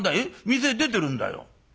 店へ出てるんだよ。